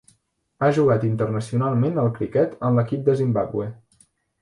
Ha jugat internacionalment al criquet en l'equip de Zimbàbue.